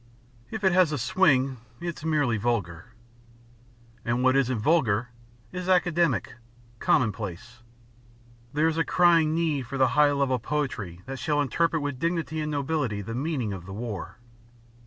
If it has a swing, it's merely vulgar, and what isn't vulgar is academic, commonplace. There's a crying need for the high level poetry that shall interpret with dignity and nobility the meaning of the war."